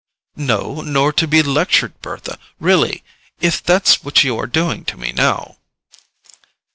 "No—nor to be lectured, Bertha, really; if that's what you are doing to me now."